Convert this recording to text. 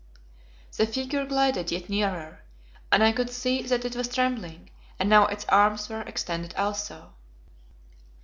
The figure glided yet nearer, and I could see that it was trembling, and now its arms were extended also.